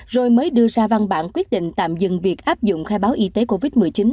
rồi mới đưa ra văn bản quyết định tạm dừng việc áp dụng khai báo y tế covid một mươi chín